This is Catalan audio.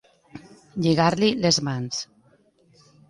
Lligar-li les mans.